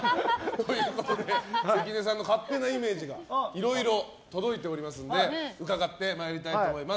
関根さんの勝手なイメージがいろいろ届いておりますので伺ってまいりたいと思います。